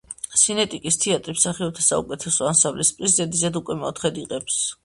სინეტიკის თეატრი მსახიობთა საუკეთესო ანსამბლის პრიზს ზედიზედ უკვე მეოთხედ იღებს.